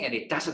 dan itu selalu